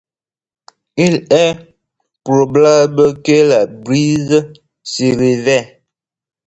Il est probable que la brise s’élevait.